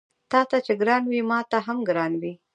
تاته چې ګران وي ماته هم ګران وي